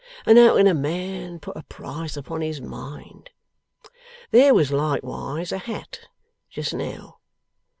And how can a man put a price upon his mind! There was likewise a hat just now.